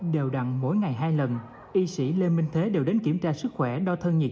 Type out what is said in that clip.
đều đặn mỗi ngày hai lần y sĩ lê minh thế đều đến kiểm tra sức khỏe đo thân nhiệt